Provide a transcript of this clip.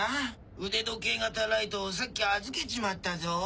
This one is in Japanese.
腕時計型ライトさっき預けちまったぞ。